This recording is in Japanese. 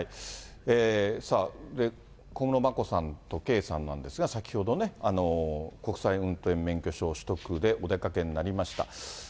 さあ、小室眞子さんと圭さんなんですが、先ほど国際運転免許証取得でお出かけになりました。